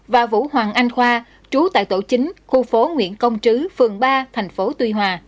và vũ hoàng anh khoa trú tại tổ chính khu phố nguyễn công trứ phường ba thành phố tuy hòa